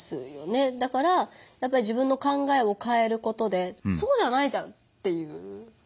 だからやっぱり自分の考えをかえることで「そうじゃないじゃん」っていう。